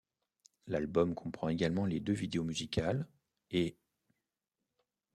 L'album comprend, également, les deux vidéos musicales ' et '.